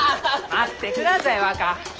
待ってください若！